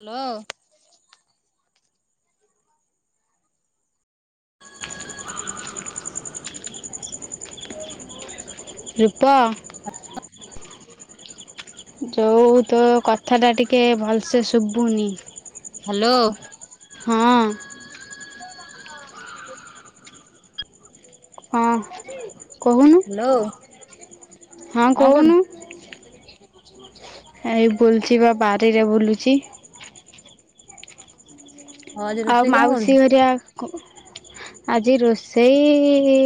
Hello [unintelligible] ରୂପ ଯଉ ତ କଥା କଥାଟା ଟିକଏ ଭଲସେ ଶୁଭୁନି ହ୍ୟାଲୋ ହଁ ହଁ ହଷ୍ଟେଲ ରେ। ହଁ କହୁନୁ। ହ୍ୟାଲୋ। ହଁ କଣ କରୁଛୁ? କହୁନୁ। ହେଇ ବୁଲଚି ବା ବାରିରେ ବୁଲୁଚି। ହଁ ଆଜି ଆଉ ରୋଷେଇ କଣ କରୁଛୁ? ମାଉସୀ ହରିଆ କଉ ଆଜି ରୋଷେଇ-ଇ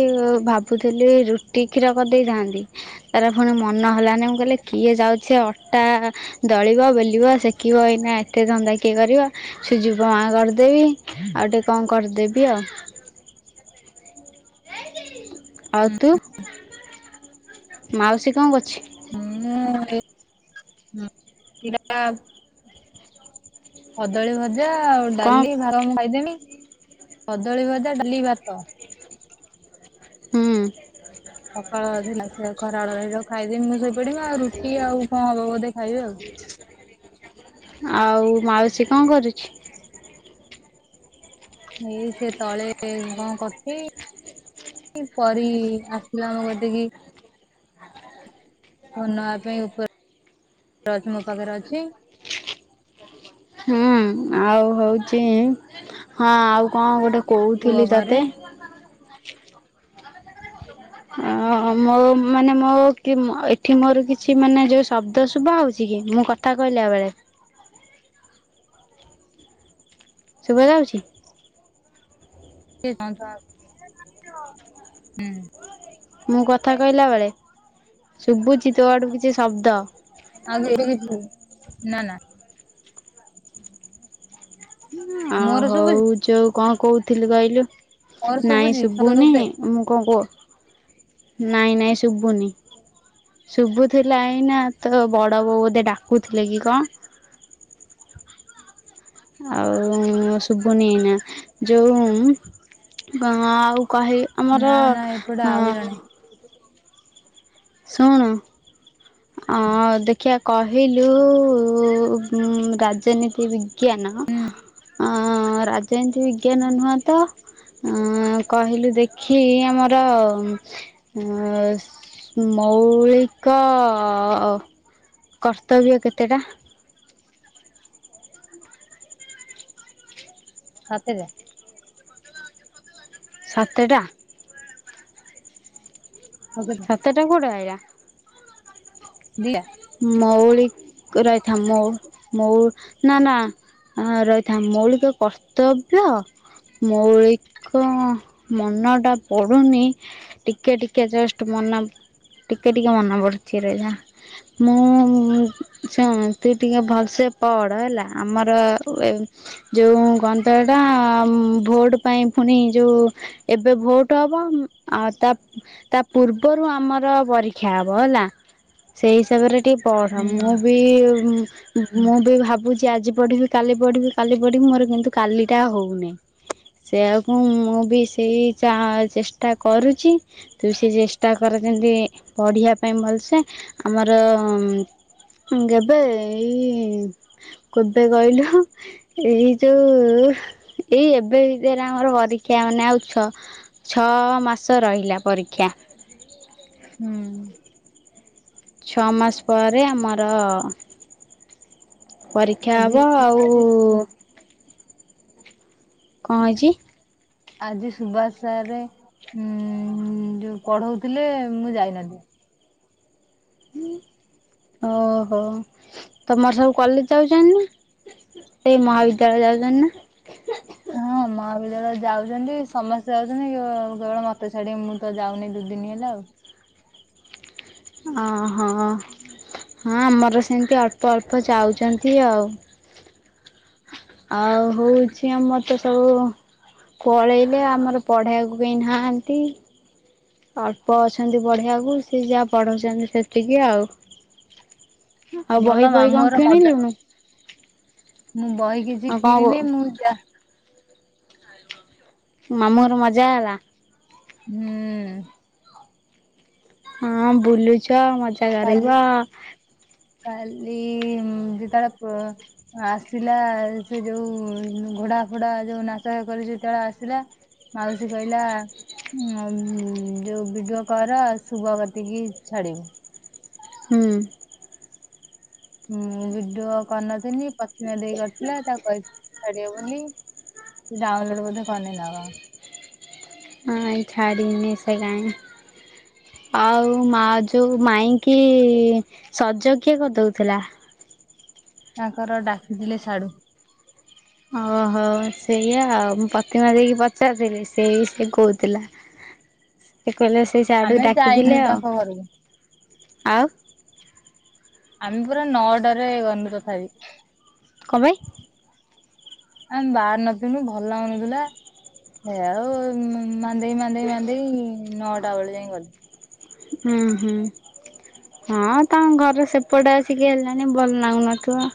ଭାବୁଥିଲି ରୁଟି କ୍ଷୀର କରିଦେଇଥାନ୍ତି। ତାରେ ଫୁଣି ମନ ହେଲାନି। ମୁଁ କହିଲେ କିଏ ଯାଉଛି ସେ ଅଟାଆ ଦଳିବ ବେଲିବ ସେକିବ ଏଇନା ଏତେ ଧନ୍ଦା କିଏ କରିବ। ସୁଜିବ ଆଁ କରି ଦେବି ଆଉ ଟିକେ କଣ କରିଦେବି ଆଉ। ଆଉ ତୁ ମାଉସୀ କଣ କରୁଛି? ମୁଁ ଏଇ ଉଁ ଟିଡା ଆଉ। କଦଳୀ ଭଜା ଆଉ କଣ ଡାଲି ଭାର ମୁଁ ଖାଇଦେମି। କଦଳୀ ଭଜା ଡାଲି ଭାତ। ହୁଁ। ସକାଳ ଥିଲା ସେଆକୁ ଖରା ବେଳଳର ଖାଇଦେବି। ମୁଁ ଶୋଇ ପଡିମି ଆଉ। ରୁଟି ଆଉ କଣ ହବ ବୋଧେ ଖାଇବି ଆଉ। ଆଉ ମାଉସୀ କଣ କରୁଛି? ଏଇ ସେ ତଳେ କଣ କରୁଛି। ଇ ପରି ଆସିଥିଲା ମୋ କତିକି। ଫୋନ ନବା ପାଇଁ ଉପର ରଅଛି ମୋ ପାଖରେ ଅଛି। ହୁଁ ଆଉ ହଉଚି ହଁ ଆଉ କଣ ଗୋଟେ ପୁଅ କହୁଥିଲି ଘରେ ତତେ? ଅ ମୋ ମାନେ ମୋ କି ଏଠି ମୋର କିଛି ମାନେ ଯୋଉ ଶବ୍ଦ ଶୁଭା ହଉଚି କି? ମୁଁ କ କଥା କହିଲା ବେଳେ। ଶୁଭା ଯାଉଛି? ଇ [unintelligible] ହୁଁ। ମୁଁ କଥା କହିଲା ବେଳେ ଶୁଭୁଚି ତୋ ଆଡୁ କିଛି ଶବ୍ଦ। ଆଉ [unintelligible] ନା ନା ଆଁ ମୋର ଶୁଭୁଛି ହଉ ଯୋଉ କଣ କହୁଥିଲି କହିଲୁ ମୋର ନାଇଁ ଶୁଭୁଛି ସତ ଶୁଭୁନି ତତେ ମୁଁ କଣ କ ନାଇଁ ନାଇଁ ଶୁଭୁନି। ଶୁଭୁଥିଲା ଏଇନା ତୋ ବଡ ବୋଉ ବୋଧେ ଡାକୁଥିଲେ କି କଣ। ଆଉ ଶୁଭୁନି ଏଇନା ଯୋଉଁ କଣ ଆଉ କହିବି ନା ଆମର ନା ଏପଟେ ହଁ ଆଉ ଜଣେ ଶୁଣୁ ଆ ଆଉ ଦେଖିଆ କହିଲୁ ଉଁ ରାଜନୀତି ବିଜ୍ଞାନ ଆଁ ରାଜନୀତି ବିଜ୍ଞାନ ନୁହଁ ତ ଉଁ କହିଲୁ ଦେଖି ଆମର ଉଁ ସ ମୌଳିକଅ କର୍ତ୍ତବ୍ୟ କେତେଟା? ସାତେ ଟା। ସାତେ ଟା? ଆଉ କେତେ? ସତେ ଟା କୋଉଠୁ ଆଇଲା? ଦିଅ। ମଉଳିକ ରହିଥା ମଉ ମଉ ନା ନା ଆଁ ରହି ଥା ମୌଳିକ କର୍ତ୍ତବ୍ୟ ମୌଳିକ ମନଟା ପଡୁନି। ଟିକେ ଟିକେ ଜଷ୍ଟ ମନ ଟିକେ ଟିକେ ମନ ପଡୁଚି ରହିଥା। ମୁଁ ଉଁ ଶୁଣ ତୁ ଟିକେ ଭଲସେ ପଢ ହେଲା। ଆମର ଏ ଯୋଉ କଣ ତ ହେଟା ଉଁ ଭୋଟ ପାଇଁ ପୁଣି ଯୋଉ ଏବେ ଭୋଟ ହବ ଉଁ ଆଉ ତାପ ତା ପୂର୍ବରୁ ଆମର ପରୀକ୍ଷା ହବ ହେଲା ସେଇ ତା ପରେ ଟିକେ ପଢ଼ ହୁଁ ମୁଁ ବି ମୁଁ ବି ଭାବୁଛି ଆଜି ପଢିବି କାଲି ପଢିବି କାଲି ପଢିବି ମୋର କିନ୍ତୁ କାଲିଟା ହଉନି। ସେଆକୁ ମୁଁ ବି ସେଇ ଚା ଚେଷ୍ଟା କରୁଚି। ତୁ ସେ ଚେଷ୍ଟା କର ଯେମିତି ପଢ଼ିବା ପାଇଁ ଭଲସେ ଆମର ଗେବେ ଏଇ କେବେ କହିଲୁ ଏଇ ଯୋଉ ଏଇ ଏବେ ଭିତରେ ଆମର ପରୀକ୍ଷା ମାନେ ଆଉ ଛ ଛଅ ମାସ ରହିଲା ପରୀକ୍ଷା। ହୁଁ। ଛଅ ମାସ ପରେ ଆମର ପରୀକ୍ଷା ଆଜି ହବ ଆଉ ଆଜି କଣ ହେଇଚି? ଆଜି ସୁବାସ ସାରେ ଉଁ ଯୋଉ ପଢଉଥିଲେ ମୁଁ ଯାଇନଥିଲି। ଓହୋ ତମର ସବୁ କଲେଜ ଯାଉଛନ୍ତି ନା? ସେଇ ମହାବିଦ୍ୟାଳୟ ଯାଉଛନ୍ତି ନା? ହଁ ମ୍। ମହାବିଦ୍ୟାଳୟ ଯାଉଛନ୍ତି ସମସ୍ତେ ଯାଉଛନ୍ତି କେବଳ କେବଳ ମତେ ଛାଡିକି ମୁଁ ତ ଯାଉନି ଦୁଇଦିନ ହେଲା ଆଉ। ଅ ହଁ ହଁ ଆମର ସେମିତି ଅଳ୍ପ ଅଳ୍ପ ଯାଉଛନ୍ତି ଆଉ। ଆଉ ହେଉଛି ଆମର ତ ସବୁ ପଳେଇଲେ ଆମର ପଢ଼େଇବାକୁ କେହି ନାହାନ୍ତି। ଅଳ୍ପ ଅଛନ୍ତି ପଢ଼େଇବାକୁ ସେ ଯାହା ପଢଉଛନ୍ତି ସେତିକି ଆଉ। ଆଉ ବହି ଭଲ ବହି କଣ ମାମୁଁହର ମଜା କିଣିଲୁଣୁ ମୁଁ ବହି କିଛି ଆଉ କଣ କିଣିନି ମୁଁ ଯ ମାମୁଁ ହରେ ମଜା ହେଲା ହୁଁ। ହୁଁ। ହଁ ବୁଲୁଛ ମଜା କରିବ। କାଲି କାଲି ଯେ ତାଳପ [unintelligible] ଆସିଲା ସେ ଯୋଉ ଘୋଡା ଫୋଡା ଯୋଉ ନାଚ କରି ସେତେବେଳେ ଆସିଲା। ମାଉସୀ କହିଲା। ଯୋଉ ଭଡିଓ କର ଶୁଭ ଗତିକି ଛାଡିବ। ହୁଁ। ମୁଁ ଭିଡୁଅ କରିନଥିଲି ପତିମା ଦେଇ କରିଥିଲା ତାକୁ କହିଥିଲି ଛାଡିବୁ ବୋଲି। ସେ ଡାଉନଲୋଡ ବୋେ କନେଇ ଲ କଣ [unintelligible] ନାଇ ଛାଡ଼ିନି ସେ କାଇଁ। ଆଉ ମା ଯୋଉ ମାଇଁ କି ସଜ କିଏ କରିଦଉଥିଲା। ତାଙ୍କର ଡାକିଥିଲେ ସାଢୁ। ଓହୋ ସେଇଆା ଆଉ ମୁଁ ପ୍ରତିମା ଦେଇକି ପଚାରିଥିଲି ସେ ସେଇ କହୁଥିଲା। [inaudible] ସେ କହିଲା ସେ ସେଢୁ ଆମେ ଯାଇନୁ ଡାକିଥିଲେ ଆଉ ତାଙ୍କ ଘରକୁ ଆଉ। ଆମେ ପୁରା ନଅଟାରେ ଗଲୁ ତଥାପି। କଣ ପାଇଁ। [inaudible] ଆମେ ବାହାର ନ ପିିନୁ ଭଲ ଆଣୁଥିଲା ସେ ଆଉ [unintelligible] ମାନ୍ଦେଇ ମାନ୍ଦେଇ ମାନ୍ଦେଇ ନଅଟା ବେଳେ ଯାଇ ଗଲୁ। ହ ହୁ। ହଁ ତମ ଘର ସେପଟେ ଆସିକି ହେଲଣି ଭଲ ଲାଗୁନଥିବ।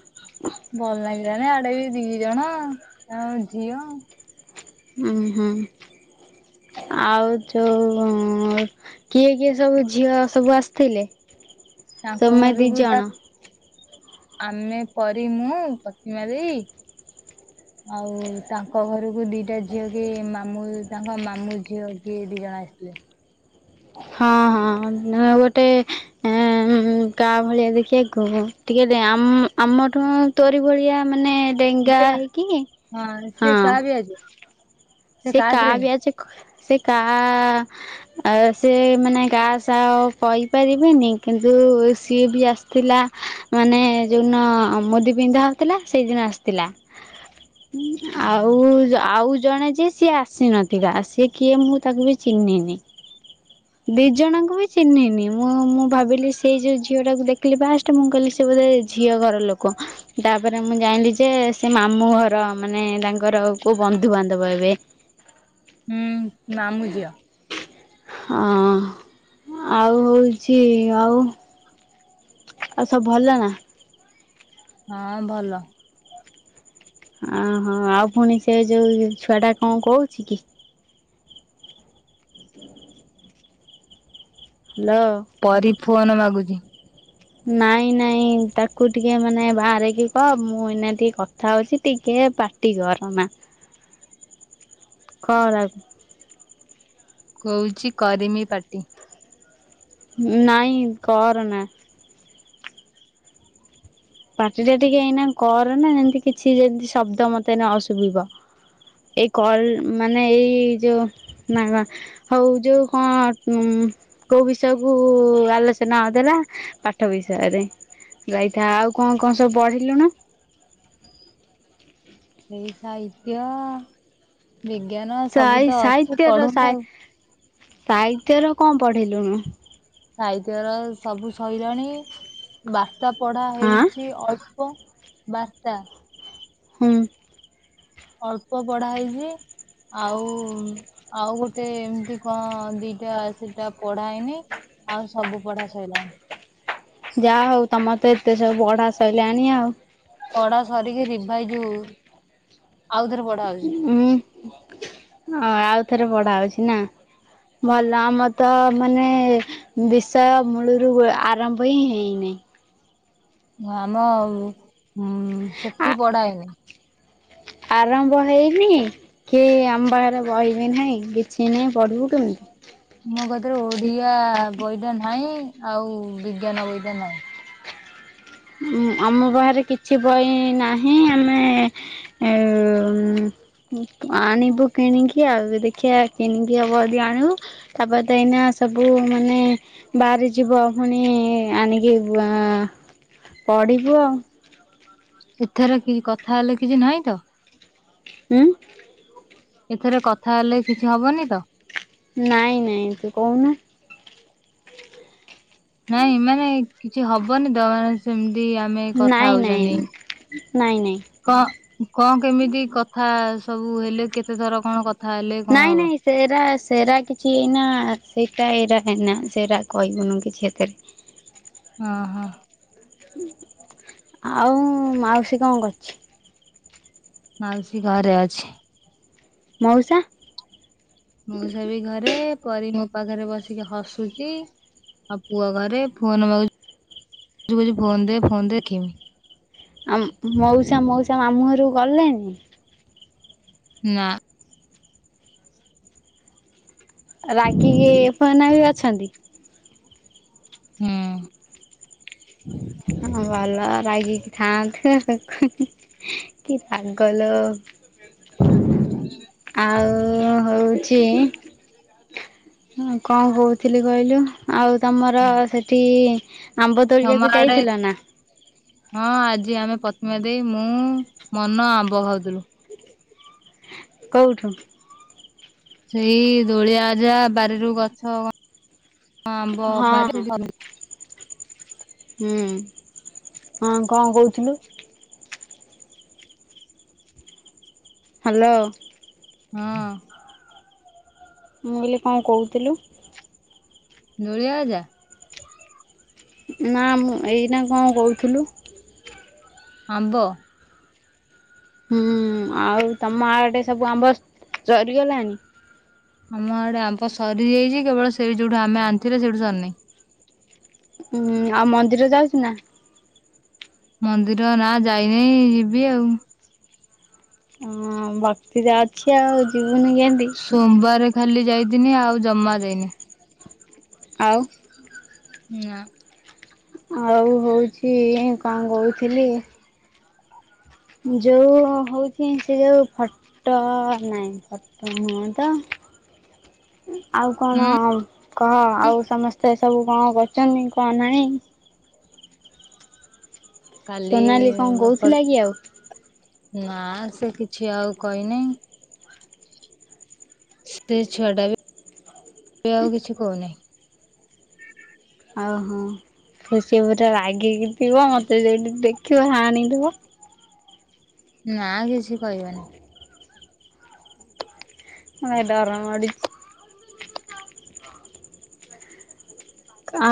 ଭଲ ଲାଗିଲାନି ଆଡେ ବି ଦି ଜଣ ଆଉ ଝିଅ। ହୁଁ ହୁଁ ଆଉ ଯୋଉ କିଏ କିଏ ସବୁ ଝିଅ ସବୁ ଆସିଥିଲେ ତାଙ୍କ ତମେ ଦି ଘରକୁ ତା ଜଣ। ଆମେ ପରି ମୁ ପ୍ରତିମା ଦେଇ। ଆଉ ତାଙ୍କ ଘରକୁ ଦିଟା ଝିଅ କିଏ ମାମୁଁ ତାଙ୍କ ମାମୁଁ ଝିଅ କିଏ ଦି ଜଣ ଆସିଥିଲେ। ହଁ ହଁ ଗୋଟେ ହେଁ କା ଭଳିଆ ଦେଖିବାକୁ ଟିକେ ଆମଠୁ ତୋରି ଭଳିଆ ମାନେ ଡେଙ୍ଗା ଟିକେ ହେଇକି ସେ ହଁ। କାହା ବ୍ୟାଚ୍ ସେ କାହା ବ୍ୟାଚ୍ ସେ କା ଆ ସେ ମାନେ ଗା ସା କହିପାରିବେନି କିନ୍ତୁ ସିଏ ବି ଆସିଥିଲା। ମାନେ ଯଉନ ମୁଦି ପିନ୍ଧା ହଉଥିଲା ସେଇଦିନ ଆସିଥିଲା। [inaudible] ଆଉ ଆଉ ଜଣେ ଯେ ସିଏ ଆସିନଥିଲା ସିଏ କିଏ ମୁଁ ତାକୁ ବି ଚିହ୍ନିନି। [inaudible] ଦି ଜଣଙ୍କୁ ବି ଚିହ୍ନିନି ମୁଁ ମୁଁ ଭାବିଲି ସେଇ ଯୋଉ ଝିଅଟ ଟାକୁ ଦେଖିଲି ଫଷ୍ଟ ମୁଁ କହଲିି ସେ ବୋଧେ ଝିଅ ଘର ଲୋକ। ତାପରେ ମୁଁ ଜାଣିଲି ଯେ ସେ ମାମୁଁ ଘର ମାନେ ତାଙ୍କର କୋଉ ବନ୍ଧୁବାନ୍ଧବ ହେବେ। ହୁଁ ମାମୁ ଝିଅ। ହଁ ଆଉ ହଉଛି ଆଉ ଆଉ ସବୁ ଭଲ ନା। ହଁ ଭଲ। ଆ ହଁ ଆଉ ପୁଣି ସେ ଯୋଉ ଛୁଆଟା କଣ କହୁଛି କି? ଲୋ ପରି ଫୋନ ମାଗୁଛି। ନାଇଁ ନାଇଁ ତାକୁ ଟିକେ ମାନେ ବାହାରିକି କହ ମୁଁ ଏଇନା ଟିକେ କଥା ହଉଛି ଟିକେ ପାଟି ଗରନା ଖରାପ। କହୁଛି କରିମି ପାଟି। ନାଇଁ କରନା। ପାଟି ଟା ଟିକେ ଏଇନା କରନା ଯେମିତି କିଛି ଯେମିତି ଶବ୍ଦ ମତେ ନ ଶୁଭିବ। ଏଇ କଲ୍ ମାନେ ଏଇ ଯଉ ନା ନା। ହଉ ଯଉ କଣ କୋଉ ବିଷୟ କୁ ଆଲୋଚନା ହୋଉଥିଲା? ପାଠ ବିଷୟରେ ରାଇଟ ଆଉ କଣ କଣ ସବୁ ପଢିଲୁନୁ? ସେଇ ସାହିତ୍ୟ ବିଜ୍ଞାନ ସାଇ ସବୁ ତ ଅଛି ସାହିତ୍ୟର ସାଇ ପଢୁନି ଆଉ। ସାହିତ୍ୟର କଣ ପଢ଼ିଲୁନୁ? ସାହିତ୍ୟର ସବୁ ସଇଲାଣି ବାର୍ତ୍ତା ପଢା ହାଁ ହେଇଛି ଅଳ୍ପ। ବାର୍ତ୍ତା। ହୁଁ। ଅଳ୍ପ ପଢା ହେଇଛି। ଆଉ ଆଉ ଗୋଟେ ଏମିତି କଣ ଦିଟା ସେଟା ପଢାହେଇନି। ଆଉ ସବୁ ପଢା ସଇଲାଣି। ଯାହା ହଉ ତମର ତ ଏତେ ସବୁ ପଢା ସହିଲାଣି ଆଉ। ପଢା ସରିକି ରିଭାଇ ହଉ ଉଁ ଆଉଥରେ ପଢା ହୋଉଛି ନା। ଭଲ ଆମର ତ ମାନେ ବିଷୟ ମୂଳରୁ ଆରମ୍ଭ ହିଁ ହେଇନାହିଁ। ଆମ ଉ ଆ ସେଠି ପଢା ହେଇନି। ଆରମ୍ଭ ହେଇନି। କି ଆମ ପାଖରେ ବହି ଫହି ନାହିଁ କିଛି ନାହିଁ ପଢ଼ିବୁ କେମିତି? ମୋ କତିରେ ଓଡିଆ ବହିଟା ନାହିଁ ଆଉ ବିଜ୍ଞାନ ବହିଟା ନାହିଁ। ଉ ଆମ ପାଖରେ କିଛି ବହି ନାହିଁ ଆମେ ଏ ଆଣିବୁ କିଣିକି ଆଉ ଦେଖିଆ କିଣିକି ହବ ଯଦି ଆଣିବୁ। ତାପରେ ଏଇନା ସବୁ ମାନେ ବାହାରି ଯିବ ପୁଣି ଆଣିକି ପଢିବୁ ଆଉ। ଏଥର କି କଥା ହେଲେ କିଛି ନାହିଁ ତ। ହୁଁ। ଏଥରେ କଥା ହେଲେ କିଛି ହବନି ତ। ନାଇଁ ନାଇଁ ତୁ କହୁନୁ? ନାଇଁ ମାନେ କିଛି ହବନି ତ ମାନେ ସେମତି ନାଇଁ ନାଇଁ ନାଇଁ ନାଇଁ। କଣ କଣ କେମିତି କଥା ସବୁ ହେଲେ କେତେଥର କଣ ହେଲେ କଣ ନାଇଁ ହବ? ନାଇଁ ସେରା ସେରା କିଛି ଏଇନା ସେଇଟା ଏଇରା ହେନା ସେରା କହିବୁନୁ କିଛି ଏଥିରେ। ହଁ ହଁ ଆଉ ମାଉସୀ କଣ କରୁଥିଲେ। ମାଉସୀ ଘରେ ଅଛି। ମଉସା ମଉସା ବି ଘରେ, ପରୀ ମୋ ପାଖରେ ବସିକି ହସୁଛି। ଆଉ ପୁଅ ଘରେ ଫୋନ ମାଗୁ, ଫୋନ ଦେ ଫୋନ ଦେ ଖେ ଆଉ ମଉସା ମଉସା ମାମୁଁ ଘରୁ ଗଲେଣିି। ନା ରାଗିକି ଏ ଫନା ବି ଅଛନ୍ତି। ହୁଁ ହଁ ଭଲ ରାଗିକି ଥାଆନ୍ତୁ। କି ପାଗ ଲୋ। ଆଉ ହଉଛି। ହଁ କଣ କହୁଥିଲି କହିଲୁ ଆଉ ତମର ସେଠି ଆମ୍ବ ତମ ତୋଳିବାକୁ ଆଡ଼େ ଯାଇଥିଲ ନା ହଁ ଆଜି ଆମେ ପ୍ରତ୍ମା ଦେଇ ମୁଁ ମନ ଆମ୍ବ ଖାଉଥିଲୁ। କୋଉଠୁ ସେଇ ଦୋଳିଆ ଆଜା ବାରିରୁ ଗଛ ଆମ୍ବ ହଁ ହଁ ପାରି ହୁଁ, ହଁ କଣ କହୁଥିଲୁ। ହେଲୋ ହଁ ମୁଁ କହିଲି କଣ କହୁଥିଲୁ। ନୂଳିଆଜା ନା ମୁଁ ଏଇଟା କଣ କହୁଥିଲୁ। ଆମ୍ବ ହୁଁ ଆଉ ତମ ଆଟେ ସବୁ ଆମ୍ବ ସରିଗଲାଣି। ଆମ ଆଡେ ଆମ୍ବ ସରିଯାଇଛି, କେବଳ ସେଇ ଯୋଉଠୁ ଆମେ ଆଣିଥିଲୁ ସେଇଠୁ ସରିନାହିଁ। ଉଁ ଆଉ ମନ୍ଦିର ଯାଉଛୁ ନା। ମନ୍ଦିର ନା ଯାଇ ନାହିଁ ଯିବି ଆଉ। ହଁ ଭକ୍ତିରେ ଅଛି ଆଉ ଯିବୁନି କେମତି। ସୋମବାର ଖାଲି ଯାଇଥିନି ଆଉ ଜମା ଦେଇନି। ଆଉ ନା ଆଉ ହଉଛି କଣ କହୁଥିଲି। ଯୋଉ ହଉଛି ସେ ଯୋଉ ଫଟୋ ନାଇଁ। ହଁ ତ [unintelligible] ଆଉ କଣ ହୁଁ। କହ? ଆଉ ସମସ୍ତେ ସବୁ କଣ କରଛନ୍ତି କଣ ନାହିଁ? କାଲି ସୋନାଲି କଣ ବକର କହୁଥିଲା କି ଆଉ? ନା ସେ କିଛି ଆଉ କହି ନାହିଁ। ସେ ଛୁଆ ଟା ବି ଆଉ କିଛି କହୁ ନାହିଁ। ଆଉ ହଁ ସିଏ ପୁରା ରାଗିକି ଥିବ ମୋତେ ଯେମିତି ଦେଖିବ ହାଣିଦେବ। ନା କିଛି କହିବନି। [unintelligible] ନାଇଁ ଡରମାଡିଚି। ଆ